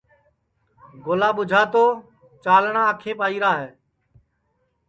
گولا ٻُوجھا تو چاݪٹؔا آنکھیپ آئیرا ہے